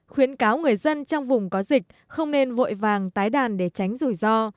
khuyến cáo người dân trong vùng có dịch không nên vội vàng tái đàn để tránh rủi ro